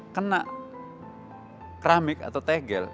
kena keramik atau tegel